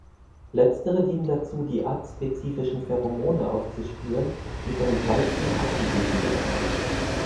Letztere dienen dazu, die artspezifischen Pheromone aufzuspüren, die von den Weibchen abgegeben werden.